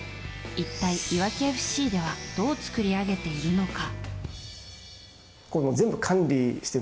一体、いわきＦＣではどう作り上げているのか？